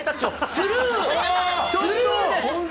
スルー。